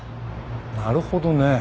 なるほどね。